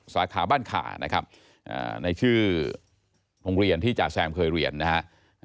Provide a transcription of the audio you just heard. สาขาบ้านขานะครับในชื่อโรงเรียนที่จ่าแซมเคยเรียนนะฮะ